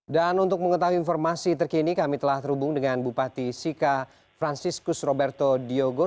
dan untuk mengetahui informasi terkini kami telah terhubung dengan bupati sika franciscus roberto diogo